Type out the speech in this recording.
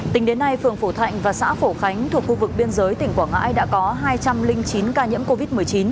tính đến nay phường phổ thạnh và xã phổ khánh thuộc khu vực biên giới tỉnh quảng ngãi đã có hai trăm linh chín ca nhiễm covid một mươi chín